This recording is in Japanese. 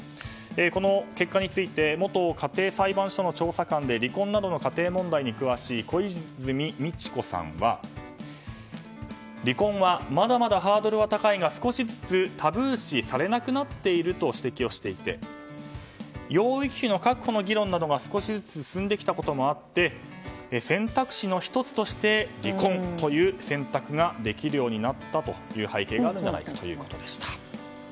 この結果について元家庭裁判所の調査官で離婚などの家庭問題に詳しい小泉道子さんは離婚はまだまだハードルは高いが少しずつタブー視されなくなっていると指摘をされていて養育費の確保の議論などが少しずつ進んできたこともあり選択肢の１つとして離婚という選択ができるようになったという背景があるんじゃないかということでした。